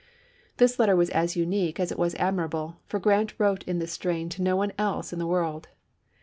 p?3997 This letter was as unique as it was admirable, for Grant wi'ote in this strain to no one else in the world.